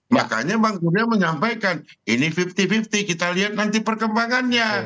makanya bang surya menyampaikan ini lima puluh lima puluh kita lihat nanti perkembangannya